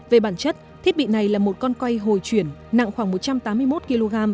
về bản chất thiết bị này là một con quay hồi chuyển nặng khoảng một trăm tám mươi một kg